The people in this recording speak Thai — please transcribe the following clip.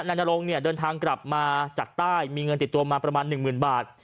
นรงเนี่ยเดินทางกลับมาจากใต้มีเงินติดตัวมาประมาณ๑๐๐๐บาท